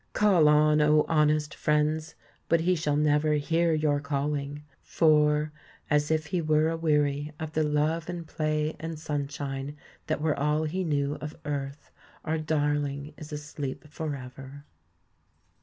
Call on, O honest friends! but he shall never hear your calling; for, as if he were aweary of the love and play and sunshine that were all he knew of earth, our darling is asleep forever.